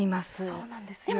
そうなんですよ。